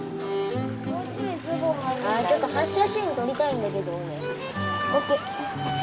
ちょっと発車シーン撮りたいんだけど俺。